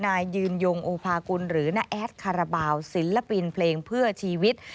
นายยืนยงโอภากุลหรือน้าแอดคาราบาลศิลปินเพลงเพื่อชีวิต